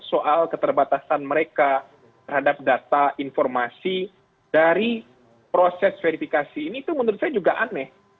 soal keterbatasan mereka terhadap data informasi dari proses verifikasi ini itu menurut saya juga aneh